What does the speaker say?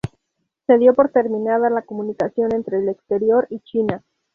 Se dio por terminada la comunicación entre el exterior y China.